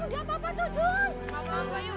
aduh apa apa tuh jun